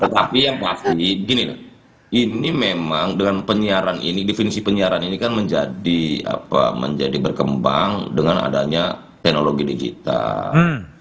tetapi yang pasti gini loh ini memang dengan penyiaran ini definisi penyiaran ini kan menjadi berkembang dengan adanya teknologi digital